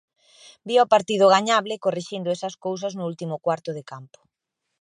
Vía o partido gañable corrixindo esas cousas no último cuarto de campo.